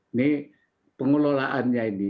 ini pengelolaannya ini